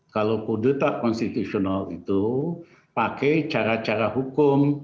kalau kudeta konstitusional itu pakai cara cara hukum